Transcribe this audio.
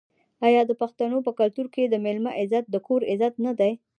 آیا د پښتنو په کلتور کې د میلمه عزت د کور عزت نه دی؟